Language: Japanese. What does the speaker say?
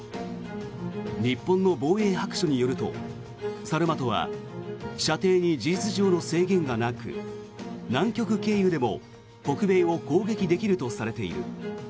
日本の防衛白書によるとサルマトは射程に事実上の制限がなく南極経由でも北米を攻撃できるとされている。